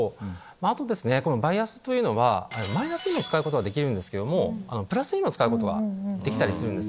あとバイアスというのはマイナスにも使うことができるんですけどもプラスにも使うことができたりするんですね。